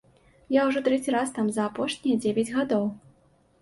Я ўжо трэці раз там за апошнія дзевяць гадоў.